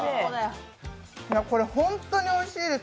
これ、本当においしいです。